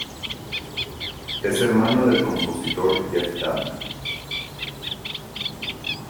Es hermano del compositor Jeff Danna.